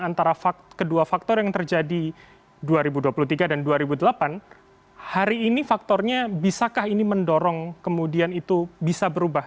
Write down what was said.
antara kedua faktor yang terjadi dua ribu dua puluh tiga dan dua ribu delapan hari ini faktornya bisakah ini mendorong kemudian itu bisa berubah